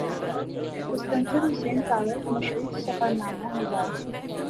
مستنصر حسین تارڑ مشہور سفرنامہ نگار ہیں۔